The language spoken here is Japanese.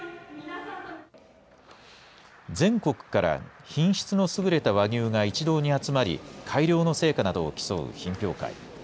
全国から品質の優れた和牛が一堂に集まり、改良の成果などを競う品評会。